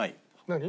何？